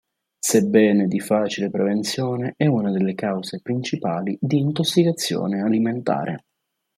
Sebbene di facile prevenzione, è una delle cause principali di intossicazione alimentare.